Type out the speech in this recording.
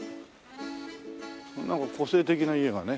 なんか個性的な家がね。